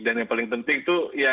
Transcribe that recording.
dan yang paling penting itu